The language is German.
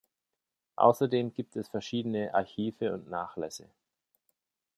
Außerdem gibt es verschiedene Archive und Nachlässe.